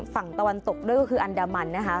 ฝั่งตะวันตกด้วยก็คืออันดามันนะคะ